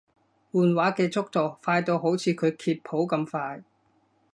換畫嘅速度快到好似佢揭譜咁快